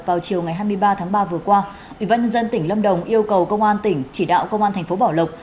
vào chiều ngày hai mươi ba tháng ba vừa qua ubnd tỉnh lâm đồng yêu cầu công an tỉnh chỉ đạo công an thành phố bảo lộc